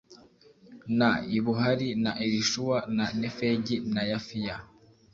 na Ibuhari na Elishuwa, na Nefegi na Yafiya,